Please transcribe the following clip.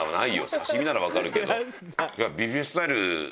刺し身ならわかるけど。